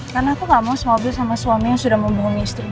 karena aku gak mau semobil sama suami yang sudah membohongi istrinya